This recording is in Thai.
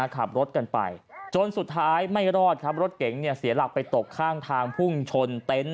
ขับรถกันไปจนสุดท้ายไม่รอดครับรถเก๋งเสียหลักไปตกข้างทางพุ่งชนเต็นต์